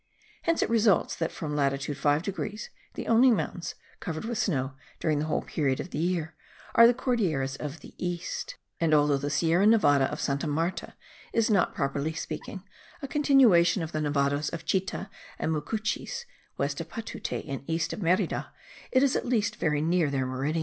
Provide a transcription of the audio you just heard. Hence it results that from latitude 5 degrees the only mountains covered with snow during the whole year are the Cordilleras of the east; and although the Sierra Nevada of Santa Marta is not, properly speaking, a continuation of the Nevados of Chita and Mucuchies (west of Patute and east of Merida), it is at least very near their meridian.